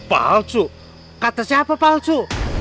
hai palsu kata siapa palsu